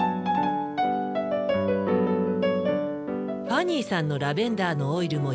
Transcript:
ファニーさんのラベンダーのオイルも１滴。